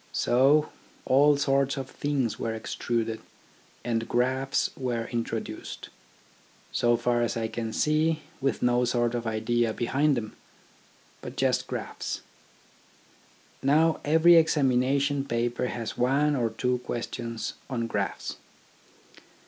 So all sorts of things were extruded, and graphs were introduced. So far as I can see, with no sort of idea behind them, but just graphs. Now every examination paper has one or two questions on graphs.